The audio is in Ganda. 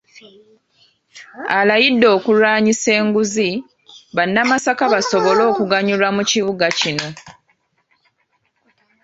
Alayidde okulwanyisa enguzi, bannamasaka basobole okuganyulwa mu kibuga kino.